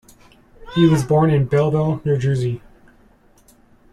He was born in Belleville, New Jersey.